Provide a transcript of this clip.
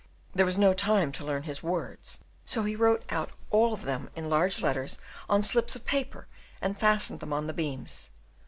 There was no time to learn his "words," so he wrote out all of them in large letters on slips of paper and fastened them on the beams.